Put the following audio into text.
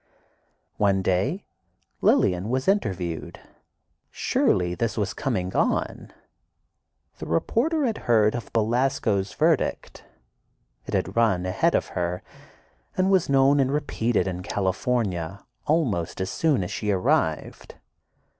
One day Lillian was interviewed. Surely this was "coming on." The reporter had heard of Belasco's verdict; it had run ahead of her, and was known and repeated in California almost as soon as she arrived.